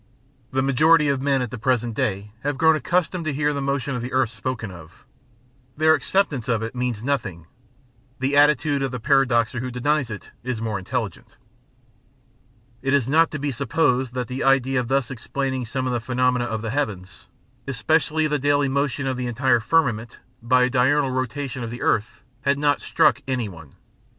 The majority of men at the present day have grown accustomed to hear the motion of the earth spoken of: their acceptance of it means nothing: the attitude of the paradoxer who denies it is more intelligent. It is not to be supposed that the idea of thus explaining some of the phenomena of the heavens, especially the daily motion of the entire firmament, by a diurnal rotation of the earth had not struck any one.